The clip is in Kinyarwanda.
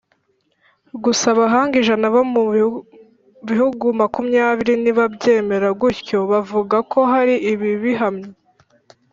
Gusa abahanga ijana bo mu bihugu makumyabiri ntibabyemera gutyo: bavuga ko hari ibibihamya